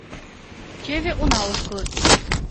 Тӧвӧ, уна, ошкылыт.